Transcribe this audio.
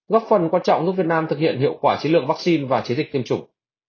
góp phần quan trọng giúp việt nam thực hiện hiệu quả chiến lược vaccine và chiến dịch tiêm chủng